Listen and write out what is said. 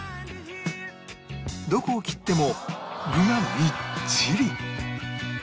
どこを切っても具がみっちり！